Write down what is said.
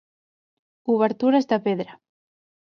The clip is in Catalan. Obertures de pedra.